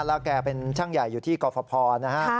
แล้วแกเป็นช่างใหญ่อยู่ที่กรฟภนะฮะ